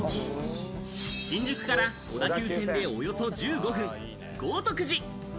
新宿から小田急線でおよそ１５分、豪徳寺。